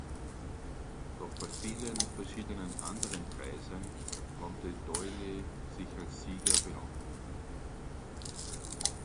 Doch bei vielen verschiedenen anderen Preisen konnte Doyle sich als Sieger behaupten.